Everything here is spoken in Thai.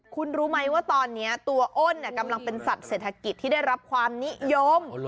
คุณรู้ไหมว่าตอนนี้ตัวอ้นกำลังเป็นสัตว์เศรษฐกิจที่ได้รับความนิยม